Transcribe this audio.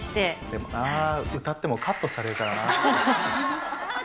でもなあ、歌ってもカットされるからなあ。